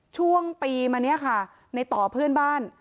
ช่วงปีมาเนี่ยค่ะในต่อเพื่อนบ้าน